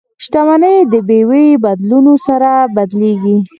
شتمني د بیو بدلون سره بدلیږي.